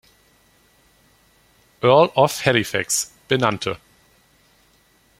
Earl of Halifax, benannte.